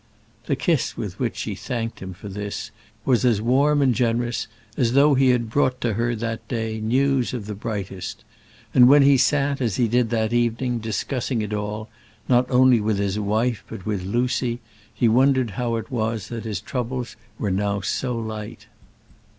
The kiss with which she thanked him for this was as warm and generous as though he had brought to her that day news of the brightest; and when he sat, as he did that evening, discussing it all, not only with his wife, but with Lucy, he wondered how it was that his troubles were now so light.